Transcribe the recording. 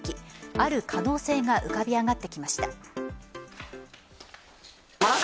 ある可能性が浮かび上がってきました。